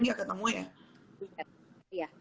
gak ketemu ya